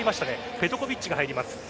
ペトコヴィッチが入ります。